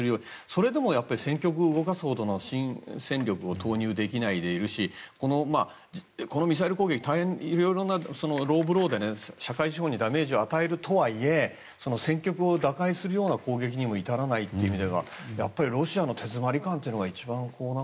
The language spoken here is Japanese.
それでも戦局を動かすほどの戦力を投入できないでいるしミサイル攻撃も大変ローブローで社会資本にダメージを与えるとはいえ戦局を打開するような攻撃にも至らないっていう意味ではロシアの手詰まり感が一番。